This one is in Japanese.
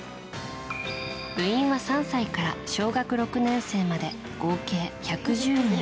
部員は３歳から小学６年生まで合計１１０人。